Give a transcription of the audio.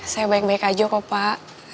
saya baik baik aja kok pak